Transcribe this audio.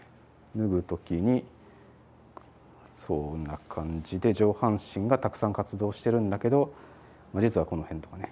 脱ぐ時にそんな感じで上半身がたくさん活動してるんだけど実はこの辺とかね